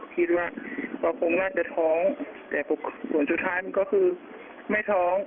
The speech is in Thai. คิดว่าเราคงน่าจะท้องแต่ผลสุดท้ายมันก็คือไม่ท้อง